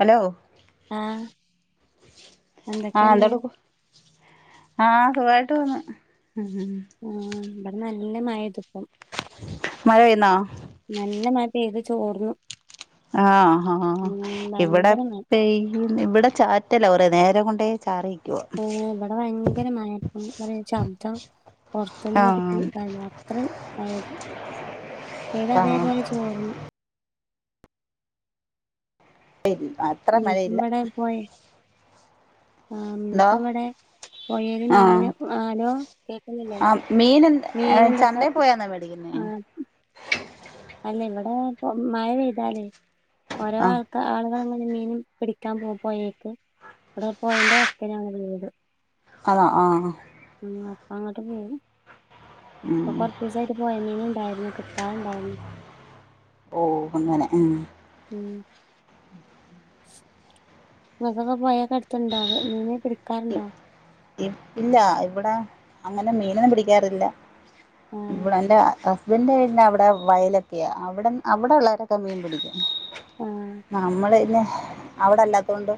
Hello? ആഹ് എന്തൊക്കെയുണ്ട്? ആഹ് സുഖായിട്ട് പോന്ന്. ഉം ആ ഇവിടെ നല്ല മഴ ദപ്പും. മഴ പെയ്യുന്നോ നല്ല മയ പെയ്ത് ചോർന്നു. ആ ആ ഉം ഇവിടെ ഭയങ്കര മഴ പെയ് ഇവിടെ ച മറ്റല്ല കൊറെനേര കൊണ്ടെ ചാറി. ഇവിടെ ഭയങ്കരമായട്ടും ശബ്ദം. ആ പുറത്തുന്നും കൊടുക്കയാത്ര അയത് ഏത ആ അതേപോലെ ചോർന്നു. ല്ല അത്ര ഇനിയിപ്പം മഴയില്ല. ആ എന്തോ ഇപ്പൊ ഇവിടെ പോയെല് ആ മീന് ആരോ കേക്കുന്നില്ലേ ആ മീൻ മീനുംന്തൊക്കെ ചന്തേ പോയാന്നോ മേടിക്കുന്നേ ആഹ് അല്ല ഇവിടെ ഇ മഴ പെയ്താലേ ഓരോ ആ ആൾക്ക ആളുക മീനും പിടിക്കാൻ പോ പോയേക്ക് അവിടെ പോയന്റെ വക്കനാണ്ള്ളത്. ആന്നോ ആഹ് ഉ അപ്പ അങ്ങോട്ട് പോവും. ഉം അപ്പൊ കൊറച്ചസായിട്ട് പോയമീൻ ഇണ്ടായിരുന്നു ട്ടണ്ട [unintelligible] ഓ അങ്ങനെ ഉം. ഉം മക്കൊക്കെ പോയക്കടുത്തുണ്ടാവ മീനെ പിടിക്കാറുണ്ടോ? ഇ ഇല്ല ഇവിടെ അങ്ങനെ മീനൊന്നും പിടിക്കാറില്ല. ആഹ് ഇടെ എന്റെ ഹസ്ബൻഡന്റെ ക അവിടെ വയലൊക്കെയ അവിടെ അവിടെ ഉള്ളവരൊക്കെ മീൻ പിടിക്കും. ആഹ് നമ്മള് പിന്നെ അവിടെല്ലാത്തൊണ്ട്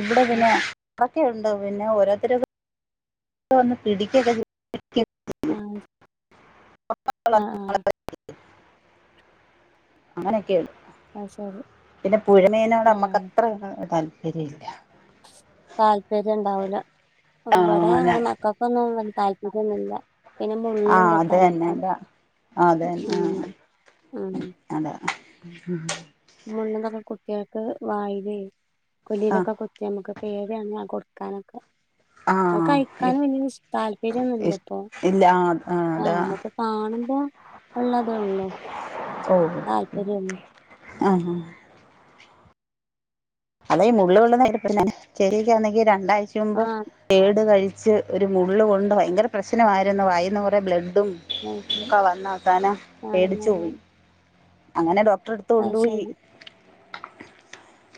ഇവിടെ പിന്നെ ആഹ് അടൊക്കെുണ്ട് പിന്നെ ഓരോരുത്തര വന്ന് പിടിക്കൊക്കെ ചെയ ആഹ് ആഹ് ആഹ് [unintelligible] അങ്ങനെയൊക്കെയ. ആഹ ശരി പിന്നെ പുഴമേനോട് അമ്മക്ക് ആഹ് അത്ര താല്പര്യ ഇല്ല താല്പര്യം ഉണ്ടാവൂല ആഹ് ഇവിടെ അതെ അങ്ങനെ മക്കൾക്കൊന്നും താല്പര്യംൊന്നുമില്ല ആഹ അത തന്നെന്താ അതന്നെ ഉം ആഹ അത ആ മണ്ണന്നോ ക്കെ കുട്ടികൾക്ക് വായില് ആ കൊലിയിലൊക്കെ കുത്തി നമുക്ക് പേഡിയാണ് കൊടുക്കാനൊക്കെ ആ അത് കഴിക്കാനും വലിയ താല്പര്യംൊന്നുമല്ല ഇപ്പൊ ഇല്ല ആ ആഹ അതാ നമ്മുക്ക് കാണുമ്പോ ഉള്ളത ഉള്ളോ താല്പര്യമില്ല ആഹ ആ അതെ മുള്ള് വെള്ളന്നപ്പന്നെ ശെരിക്കന്നെങ്കി രണ്ടാഴ്ച മുുമ്പ് ആഹ് ഏട് കഴി വച്ച് ഒരു മള്ള് കൊണ്ട് ഭയങ്കര പ്രശ്നമായിരുന്നു വായന്ന് കുറേ ബ്ലഡ് ഉം അത് ശരി വന്നാക്കാന ആ പേടിച്ചു പോയി അങ്ങനെദ്രോ തട്ടടുത്ത അത് കൊണ്ടുപോയി ശരി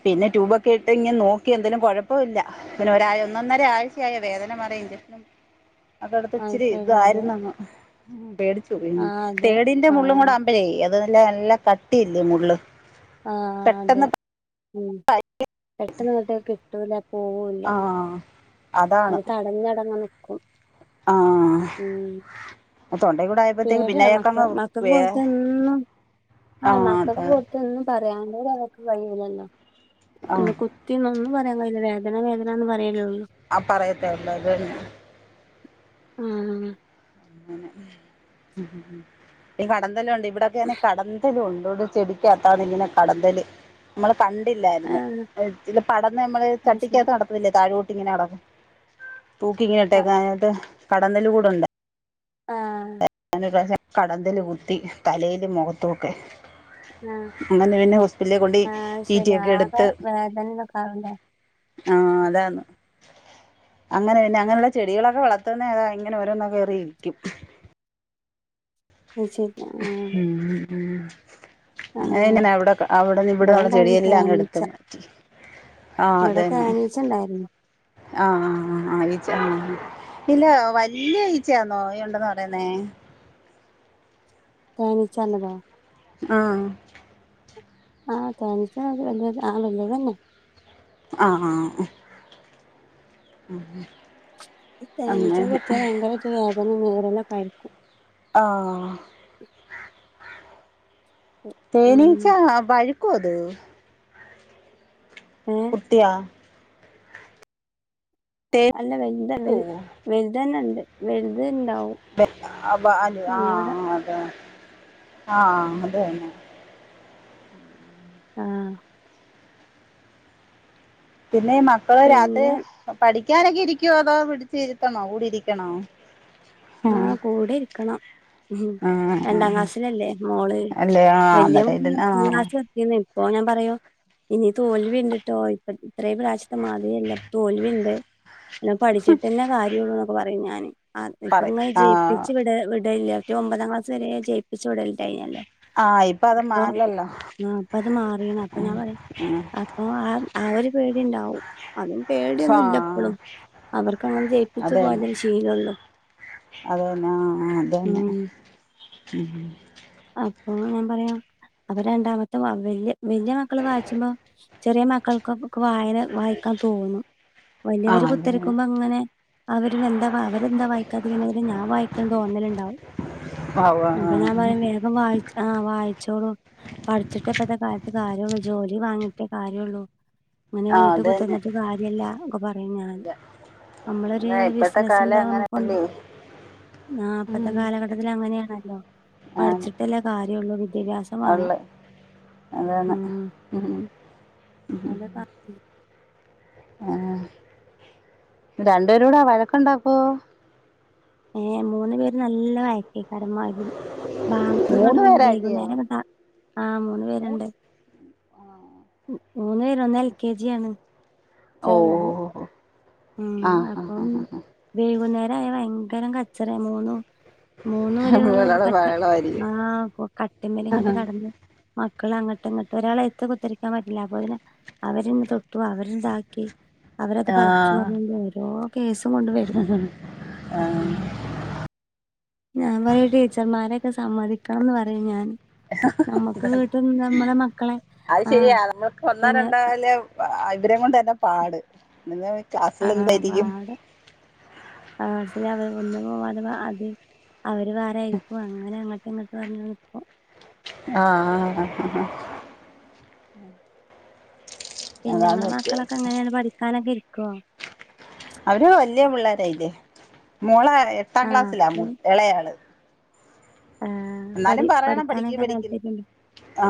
പിന്നെ ട്യൂബൊക്കെ ഇട്ട് ഇങ്ങനെ നോക്കി എന്തതിനുംഴപ്പമ ഇില്ല പിന്നെ ഒരാ ഒന്നൊന്നര ആഴ്ചയായ വേദനപറയാൻ [inaudible] അദോടത്തി അത് ഇച്ചിരി ശരി അത് ഇതായിരുന്നങ് പേടി ആ അതെ തേടിന്റെ ആ മുള്ളും കൂടെ അമ്പല അത്ല്ല എല്ലാം കട്ടിയില്ലേ മള്ള് ആഹ അതെ ഉം പെട്ടെന്ന് തട്ടേ കിട്ടൂല പോവൂല്ല ആ അത് അതാണ് തടഞ്ഞടങ്ങ നക്കും ആ ഉം തൊണ്ടയും കൂടെ ആയപ്പോഴത്തേക്ക് പേട പിന്നെ മക്ക അയാൾക്കങ്ങ് മക്കക്ക് വേ പോലത്തെന്നും ആ ആഹ മക്കൾക്ക് അതെ കൊറത്തൊന്നും പറയാണ്ടടെ അവക്ക് കഴൂല്ലല്ലോ ആ കുത്തിന്നൊന്നും പറയാാന ഇ വേദന വേദനയന്ന് പറയുള്ളൂ അപ്പർ എത്തെല്ല വണ ഉംആ അങ്ങ ഈ കടന്തലും ഉണ്ട് ഇവിടെൊക്കെന്നെ കടംന്തലും ഉണ്ട് അതോട് ചെടിക്കകത്താണ് ഇങ്ങനെ കടന്നൽ നമ്മള ആ കണ്ടില്ലായിരുന്നു ചില പടന്ന് നമ്മള് അത് ശരി ചട്ടിക്കകത്ത് നടത്തുന്നില്ല താഴട്ട ഇങ്ങനെ അടക്കും തൂക്കി ഇങ്ങനെ ആ ഇട്ടക്ക അിട്ട് കടന്നല് കൂടെണ്ട് ആഹ കടന്തൽ കുത്തി തലൽ മുഖത്തൊക്കെ [inaudible] അങ്ങനെ പിന്നെ ഹോസ്പിറ്റലെ കൊണ്ട് ആ ശരി റ്റിറ്റിഒക്കെ ആകെ എടുത്ത് വേദന ഇതൊക്കാവൂലേ ആഹ അതന് അങ്ങനെ പിന്നെ അങ്ങനെയുള്ള ചെടികളൊക്കെ വളർത്തുന്ന ഏതാ ഇങ്ങനെ ഓരോന്ന കേറി ഇരിക്കും നിച്ചി ആ ഉ ആ അങ്ങനെ ഇങ്ങനെ എവിടെ അവിടെന്ന് ഇവിടന്നുള്ള ഇബടെണ്ടായിരുന്നു ചെടിയെല്ലാം അങ്ങ് എടുത്ത് തേനീച്ച മാറ്റി ഇവിടെ തേനീച്ച ഉണ്ടായിരുന്നു ആഹ ആ ആ ആ ഈച്ച ആ ഇല്ല വല്യ ഈച്ചയാന്നോ ഉണ്ടന്ന് പറയുന്നേ തേനീച്ച ല്ലദോ ആഹ ആഹ തനസ ആ വല്ലേ തന്നെ ആ ഉ തെനിച്ച കുതിയ ഭയങ്കര വേദന നേരിലൊക്കെ ആയിരിക്കും ആഹ തേനീച്ച ഉം വഴ കൊതു ഏഹ് കുതിയ അല്ല വലുത പഴുക്കുവോ വലുതന്ന ഉണ്ട് വലുത് ഉണ്ടാവും അ അ ഞങ്ങളുടെ ആഹ് അതെ. ആ അതെന്നെ. ആ. പിന്നെ ഈ മക്കള് രാത്രി പിന്നെ പഠ നൊക്കെ ഇരിക്കുവോ അതോ പിടിച്ച് ഇരുത്തണോ കൂടി ഇരിക്കണോ? ആ ആഹ് കൂടെ ഇരിക്കണം ഉം ആഹ് രണ്ടാം ആഹ് ക്ലാസ്സിലല്ലേ മോള്. അല്ലേ ആ വലിയ അന്നേരം ഇതിന് ആ [unintelligible] ഇപ്പൊ ഞാൻ പറയോ ഇനി തോൽവി ഉണ്ട്ട്ടോ ഇപ്പ ഇത്രയും പ്രാവശ്യത്തെ മാതിരില്ല തോൽവിണ്ട്. അല്ല പഠിച്ചിട്ട് തന്നെ കാര്യമള്ളൂ എന്നൊക്കെ പറയും ഞാന് ഇപ്പ പറയും ഇങ്ങനെ ആ ജയിപ്പിച്ച് വിട വിടല ഒമ്പതാം ക്ലാസ് വരെ ജയിപ്പിച്ചു വിടലിണ്ടാഞ്ഞല്ലോ. ആഹ് ഇപ്പ അത് മാറിയല്ലോ. ആ അപ്പ അത് മാറാണ് അപ്പൊ ഞാൻ പറയാ അപ്പൊ ആ ആ ഒരു പേടി ഉണ്ടാവും അതും പേടി ആ. അവർക്ക് അങ്ങനെ ജയിപ്പിച്ചു പോയതിൽ ശീലള്ളൂ. അത് തന്നെ അത് തന്നെ ഉം. അപ്പൊ ഞാൻ പറയാ അപ്പൊ രണ്ടാമത്തെ വല്യ വല്യ മക്കള് വായിച്ച്പോ ചെറിയ മക്കൾക്ക് വായന വായിക്കാൻ തോന്നും. ആ വലിയവര് അതന്നെ കുത്തിരിക്കുമ്പോ അങ്ങനെ അവര് എന്താ അവരെന്താ വായി [unintelligible] ഞാൻ വായിക്കണ്ടോ തോന്നലുണ്ടാവും. ആ അതന്നെ ആ അപ്പൊ ഞാൻ പറയ വേഗം വായി ആ വായി ച്ചോളൂ പഠിച്ചിട്ടേപ്പത്തെ കാലത്ത് കാര്യള്ളൂ ജോലി വാങ്ങിട്ടേ കാര്യള്ളൂ. അങ്ങനെ ആ വീട്ടിൽ അതന്നെ കുത്തിരിന്നിട്ട് കാര്യല്ല ഒക്കെ പറയും ഞാൻ നമ്മളൊരു അതെ ഇപ്പഴത്തെ ബിസിനസ് കാലം എന്താ നമുക്കുണ്ട് അങ്ങനെയല്ലേ ആ ഇപ്പത്തെ കാലഘട്ടത്തിൽ അങ്ങനെയാണല്ലോ. ആ പഠിച്ചിട്ടല്ല കാര്യമുള്ളൂ വിദ്യാഭ്യാസം വേണം. അതെ. ഉം [unintelligible] ആ രണ്ടുപേര് കൂടെ വഴക്കുണ്ടാക്കോ? ഏ മൂന്ന് പേര് നല്ല വഴക്കേക്കാരം [unintelligible] മൂന്ന് പേരല്ലയോ വൈകുന്നേരംങ്ങട്ടാ ആ മൂന്നു പേരുണ്ട്. മൂന്ന് പേര് ഒന്ന് എൽ കെ ജി ആണ് ഓ ചെറുത്. ഉം ആ ആ അപ്പം ആ ആ വൈകുന്നേരായ ഭയങ്കരം കച്ചറ മൂന്നും മൂന്നും ആ ഒരു ഒരാള് കട്ട ആ ബഹളമായിരിക്കും കട്ടിമ്മല് ഇങ്ങോട്ട് കടന്ന് മക്കൾ അങ്ങട്ട് ഇങ്ങോട്ട് ഒരാളെ എത്ത് കുത്തിരിക്കാൻ പറ്റില്ല അപ്പൊ അവരിന്ന് തൊട്ടു അവര്താക്കി അവരൊക്കെ പറ ആ [unintelligible] ഓരോ കേസും കൊണ്ട് വരും. ഞാൻ പറയ ടീച്ചർമാരൊക്കെ സമ്മതിക്കണന്ന് പറയും ഞാൻ നമ്മുക്ക് വീട്ടിൽ നിന്ന് നമ്മളെ മക്കളെ അത് ആഹ് ശരിയാ നമ്മുക്ക് ഒന്നോ പിന്നെ രണ്ടാല ഇവരം കൊണ്ട് തന്നെ പാട് ആ ക്ലാസ്സിൽ എന്തായിരിക്കും പാട് [unintelligible] അവര് വേറെ ആയിരിക്കും അങ്ങനെ അങ്ങട്ട ഇങ്ങോട്ട് പറഞ്ഞ് നിക്കും ആ പിന്നെ നിങ്ങളെ മക്കളൊക്കെ എങ്ങനെയാണ് പഠിക്കാനൊക്കെ ഇരിക്കുവോ അവര് വല്യ പിള്ളോരായില്ലേ മോളെ എട്ടാം ക്ലാസ്സിലാ ആഹ് ഇളയാള് ആഹ് പഠി എന്നാലും പറയണം പഠിക്ക് പഠിക്കാനൊക്കെ പഠിക്ക് താല്പര്യണ്ട് ആ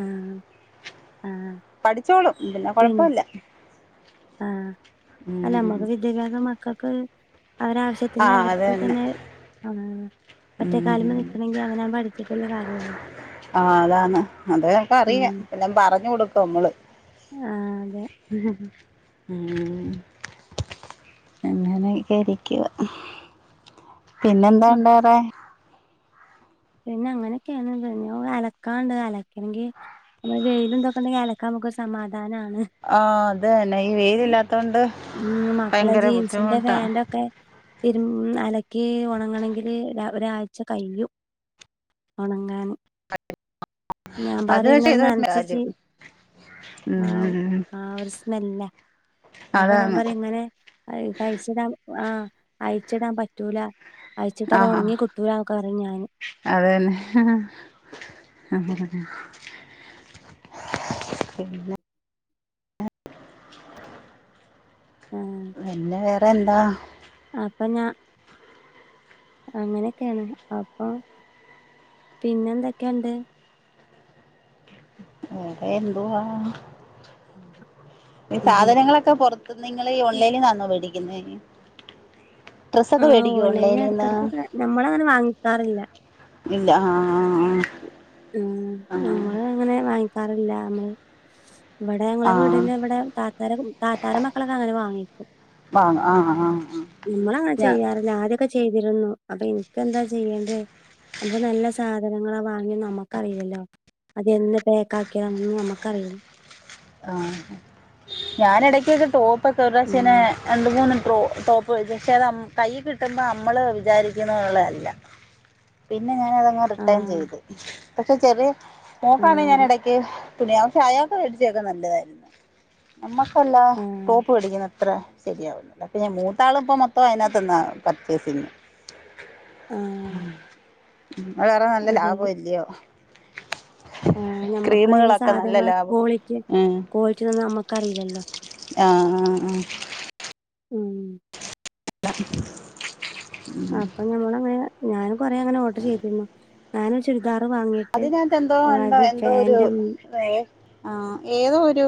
ആഹ് ആഹ് പഠിച്ചോളും പിന്നെ കൊഴപ്പല്ല ആ അല്ല ഉം നമ്മക്ക് വിദ്യാഭ്യാസം മക്കൾക്ക് അവരാവശ്യത്തിന് ആഹ് അത് അവർക്ക് തന്നെ ആ ഒറ്റക്കാലില് ഉം നിൽക്കണമെങ്കി അവനാ പഠിച്ചിട്ടില്ല കാര്യള്ളൂ ആ അതാണ് അതെക്കെ ഉം അറിയാം പിന്നെ പറഞ്ഞു കൊടുക്കും മ്മള് ആഹ് അതെ ഉം ഉം അങ്ങനെക്കെ ഇരിക്കുവാ മ- പിന്നെന്താണ്ടാറെ പിന്നെ അങ്ങനെക്കെയാണല്ലേ ഇനി ഒ അലക്കാണ്ട് അലക്കണെങ്കി നമ്മള് വെയിലും ഇതൊക്കണ്ടെങ്കിൽ അലക്കാൻ നമുക്കൊരു സമാധാനാണ് അതന്നെ ഈ വെയില് ഇല്ലാത്തോണ്ട് ഉം മക്കളെ ജീൻസിന്റെ പാന്റ് ഒക്കെ തിരൂൾ അലക്കി ഉണങ്ങണങ്കില് ര ഒരാഴ്ച കയ്യും ഉണങ്ങാന് ഞാൻ അത് പറയും പക്ഷെ ഇങ്ങനെ ഇത് കാര്യം നൻച്ചിച്ചി ആ ഉം ആ ഒരു സ്മെല്ല അപ്പൊ ഞാൻ അതാണ് പറയും ഇങ്ങനെ അഴ് അഴിച്ചിടാം ആഹ് അയച്ചിടാൻ പറ്റൂല അയച്ചിട്ട് അത് ഉണങ്ങി കിട്ടൂല എന്നൊക്കെ പറയും ഞാൻ അതെന്നെ ഇല്ല പിന്നെ വേറെ എന്താ അപ്പഞാ അങ്ങനെയൊക്കെയാണ് അപ്പം പിന്നെ എന്തൊക്കെ ഒണ്ട് വേറെ എന്തുവാ ഈ സാധനങ്ങളൊക്കെ പൊറത്തിന്ന് നിങ്ങളേ ഓൺലൈന്നാന്നോ മേടിക്കുന്നേ ഡ്രസ്സൊക്കെ ആഹ് മേടിക്കോ ഓൺലൈന് ഓൺലൈനിന്ന് അട്ക്കട് കൊക്ക നമ്മളങ്ങനെ വാങ്ങിക്കാറില്ല ഇല്ലാ ആ ആ ആ ഉം നമ്മള് അങ്ങനെ വാങ്ങിക്കാറില്ല നമ്മള് ഇവിടെ ഞങ്ങളെ ആഹ് ആഹ് വീടിന്റവിടെ താത്താര താത്താര മക്കളൊക്കെ അങ്ങനെ വാങ്ങി വാങ്ങും ആഹ് ആഹ് ആഹ് നമ്മളങ്ങന ഞാ ചെയ്യാറില്ല ആദ്യക്കെ ചെയ്തിരുന്നു അപ്പൊ എൻക്കെന്താ ചെയ്യേണ്ടേ അപ്പം നല്ല സാധനങ്ങളവാങ്ങി നമ്മ ക്കറിയില്ലല്ലോ അത് എന്ന് പേക്കാകിയതാ ഒന്നും നമ്മുക്കറി ആ ഞാൻ എടക്കൊക്കെ ടോപ്പൊക്ക ഒരു പ്രാവശേനെ ഉം രണ്ട് മൂന്ന് ട്രോ ടോപ്പ് പക്ഷെ അത് അം കൈയ്യികിട്ടമ്പം അമ്മള് വിചാരിക്കുന്നുള്ളതല്ല പിന്നെ ഞാന് അതങ്ങ് റിട്ടേൺ ആഹ് ചെയ്ത് പക്ഷെ ചെറിയ മോക്കാണേ ആഹ് ഞാൻ അതെ ഇടക്ക് തുണി പക്ഷേ അയാൾക്ക് മേടിച്ചക്കെ നല്ലതായിരുന്നു നമ്മക്ക് പല്ലാ ആഹ് ടോപ്പ് മേടിക്കുന്ന എത്ര ശരിയാവുന്നില്ല അപ്പൊ ഞാൻ മൂത്താളും ഇപ്പ മൊത്തം അയിനാ ത്തീന്നാ പർച്ചേസ് ചെയ്യുന്നുന്നേ ആഹ് വേറെ നല്ല ലാഭം ഇല്ല്യോ ആ ഞമ്മക്ക് അതിന് നല്ല സാധനങ്ങൾ പോ ലാഭം കോളിക്കേ ഉം. കോളിറ്റി ഇതൊന്നും നമ്മക്കറിയില്ലല്ലോ ആ ആ ആ ഉം അപ്പൊ ഞമ്മള അങ്ങനെ ഞാന് കൊറെേ അങ്ങനെ ഓർഡർ ചെയ്തിരുന്നു ഞാനൊക്കൊരു ച്ചു അതിനകത്ത് എന്തോ ഒണ്ടോ എന്തോ ഒരു പാന്റും വേ ആഹ് ഏതോ ഒരു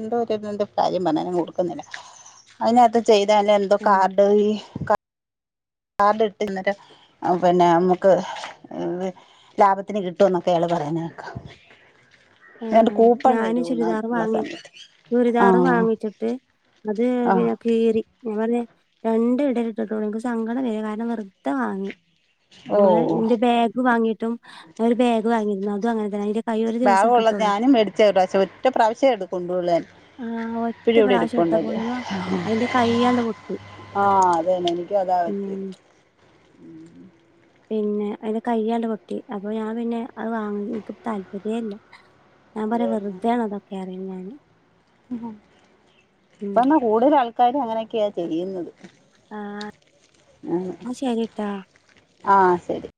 എന്തോ ഒര്തിന്റെ കാര്യം പറഞ്ഞാരിന്ന് ഞാൻ ഓർക്കുന്നില്ല അതിനകത്ത് ചെയ്താ അല്ല എന്തോ ആഹ് കാർഡ് ഈ ക കാർഡ് ഇട്ട് ഇന്നരം പിന്നെ ഞമുക്ക് ഇത് ലാഭത്തിന് കിട്ടുന്നൊക്കെ എള് പറയനേക്കാം ആ ഞാന് ചുരിദാർ വാങ്ങി സമയത്ത് ആ ചുരിദാർ വാങ്ങിച്ചിട്ട് അത് ആ പിന്നെ കീറി ഞാപറഞ്ഞ് രണ്ട് ഇഡലിതട്ടു എൻക്ക് സങ്കടംവരും കാരണം വെറുത വാങ്ങി ഓ നമ്മള് എന്റെ ബാഗ് വാങ്ങിയിട്ടും ഒരു ബാഗ് വാങ്ങിരുന്നു അതും അങ്ങനെ തന്നെ ആയ് ഒരു ദിവസിട്ടു ഭാഗമുള്ളത് ഞാനും മേടിച്ച് ഒര് പ്രാവശ്യം ഒറ്റ പ്രവശേ എടുകൊണ്ടുള്ളേൻ ആഹ ഒറ്റ പ്രാവശ്യം എടുത്താ പോണല്ലോ അതിന്റെ കൈ്യണ്ട് പൊട്ടി ആഹ അത തന്നെ എനിക്കും അതാ ഉം പറ്റല്ല പിന്നെ അതിത് കഴിയാണ്ട് പൊട്ടി അപ്പൊ ഞാൻ പിന്നെ അത് വാങ്ങ എക്ക് താല്പര്യ ഇല്ല ഞാൻ അത് പറയാ വെറുതെ ആണ അതൊക്കെ അറിയുന്നാന് ഇപ്പെന്നാ കൂടുതൽ ആൾക്കാര് അങ്ങനൊക്കെയാ ചെയ്യുന്നത് ആഹ ആ ശരിട്ടാ ആ ശരി